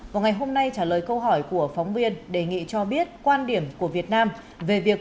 vào ngày hôm nay trả lời câu hỏi của phóng viên đề nghị cho biết quan điểm của việt nam về việc